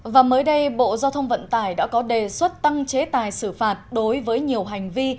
và mới đây bộ giao thông vận tải đã có đề xuất tăng chế tài xử phạt đối với nhiều hành vi